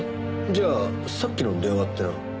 じゃあさっきの電話ってのは。